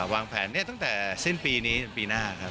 วางแผนตั้งแต่สิ้นปีนี้จนปีหน้าครับ